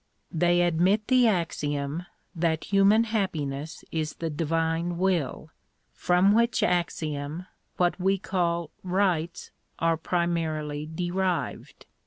They admit the axiom, that human happi ness is the Divine will ; from which axiom, what we call rights are primarily derived.